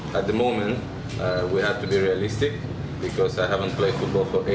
pada saat ini kita harus berpikir realistis karena saya belum bermain bola selama delapan bulan